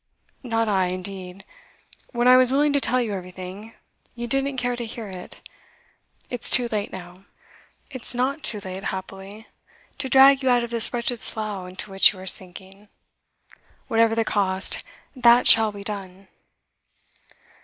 'Not I, indeed. When I was willing to tell you everything, you didn't care to hear it. It's too late now.' 'It's not too late, happily, to drag you out of this wretched slough into which you are sinking. Whatever the cost, that shall be done!